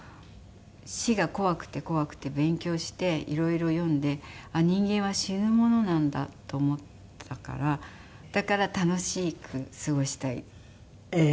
死が怖くて怖くて勉強して色々読んで人間は死ぬものなんだと思ったからだから楽しく過ごしたいっていう考えなんですって。